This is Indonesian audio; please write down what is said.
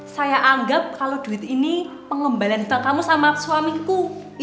saya anggap kalau duit ini pengembalian duta kamu sama suamiku